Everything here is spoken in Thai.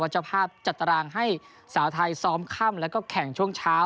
เจ้าภาพจัดตารางให้สาวไทยซ้อมค่ำแล้วก็แข่งช่วงเช้า